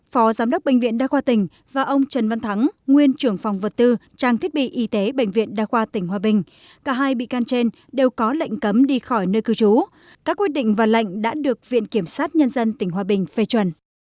phó giám đốc bệnh viện đa khoa tỉnh và ông trần văn thắng nguyên trưởng phòng vật tư trang thiết bị y tế bệnh viện đa khoa tỉnh hòa bình cả hai bị can trên đều có lệnh cấm đi khỏi nơi cư trú các quyết định và lệnh đã được viện kiểm sát nhân dân tỉnh hòa bình phê chuẩn